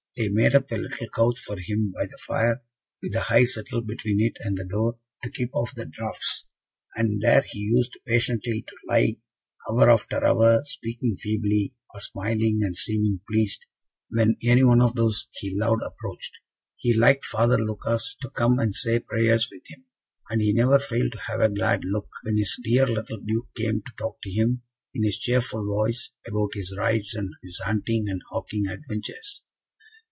They made up a little couch for him by the fire, with the high settle between it and the door, to keep off the draughts; and there he used patiently to lie, hour after hour, speaking feebly, or smiling and seeming pleased, when any one of those he loved approached. He liked Father Lucas to come and say prayers with him; and he never failed to have a glad look, when his dear little Duke came to talk to him, in his cheerful voice, about his rides and his hunting and hawking adventures.